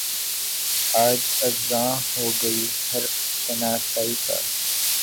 آج ارزاں ہو کوئی حرف شناسائی کا